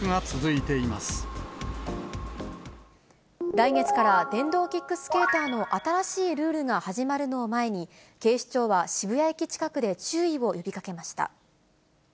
来月から電動キックスケーターの新しいルールが始まるのを前に、警視庁は渋谷駅近くで注意を呼びかけました。